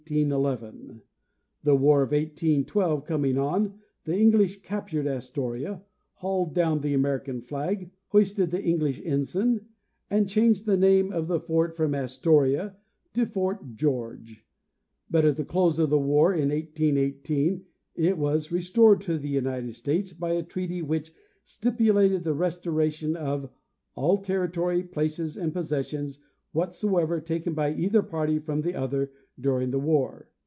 The war of 1812 coming on, the English captured Astoria, hauled down the American flag, hoisted the English ensign and changed the name of the fort from Astoria to Fort George ; but at the close of the war in 1818 it was restored to the United States by a treaty which stipulated the restoration of "all territory, places and possessions whatsoever taken by either party from the other during the war."